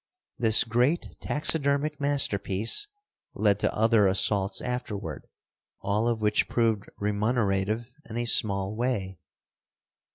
This great taxidermic masterpiece led to other assaults afterward, all of which proved remunerative in a small way.